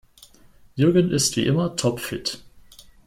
Jürgen ist wie immer topfit.